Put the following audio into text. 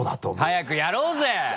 早くやろうぜ！